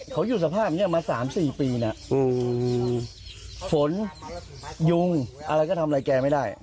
เขาอยู่สภาพนี้มา๓๔ปีนะฝนยุงอะไรก็ทำอะไรแกไม่ได้